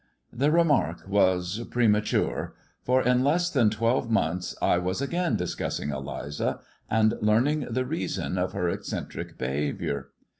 The remark was premature, for in less than twelve months I was again discussing Eliza, and learning the reason of her eccentric behaviour.